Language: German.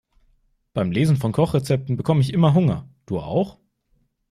Beim Lesen von Kochrezepten bekomme ich immer Hunger, du auch?